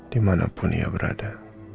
dimanapun ia berada